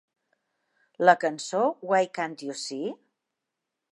La cançó "Why Can't You See?"